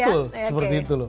betul seperti itu loh